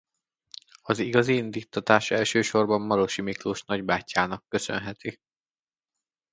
Az igazi indíttatás elsősorban Marosi Miklós nagybátyjának köszönheti.